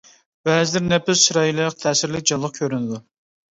بەزىلىرى نەپىس، چىرايلىق، تەسىرلىك، جانلىق كۆرۈنىدۇ.